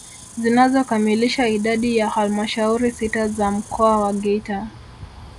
Zinazokamilisha idadi ya halmashauri sita za mkoa wa Geita